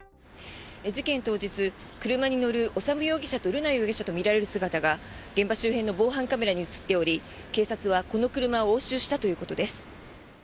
事件当日車に乗る修容疑者と瑠奈容疑者とみられる姿が現場周辺の防犯カメラに映っており警察はこの車を押収したということです。